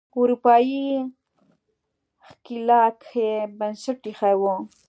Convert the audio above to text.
اروپایي ښکېلاک یې بنسټ ایښی و.